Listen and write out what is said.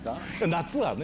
夏はね。